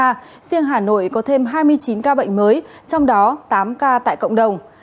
riêng hà nội có thêm hai mươi chín ca bệnh mới trong đó tám ca tại cộng đồng